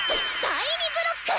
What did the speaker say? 第２ブロック！